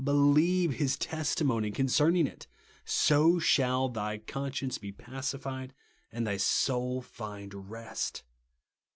Believe his testimony concerning it ; so shall thy conscience be pacified, and thy soul find rest.